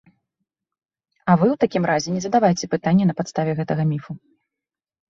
А вы ў такім разе не задавайце пытанне на падставе гэтага міфу.